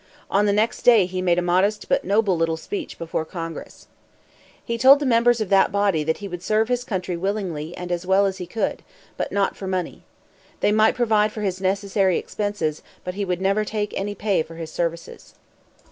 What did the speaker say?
On the next day he made a modest but noble little speech before Congress. He told the members of that body that he would serve his country willingly and as well as he could but not for money. They might provide for his necessary expenses, but he would never take any pay for his services.